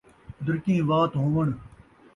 اُدرکیں وات ہووݨ